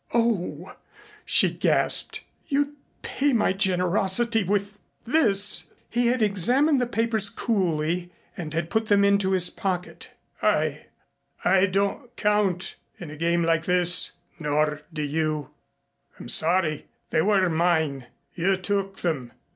"Oh!" she gasped. "You'd pay my generosity with this!" He had examined the papers coolly and had put them into his pocket. "I? I don't count in a game like this nor do you. I'm sorry. They were mine. You took them.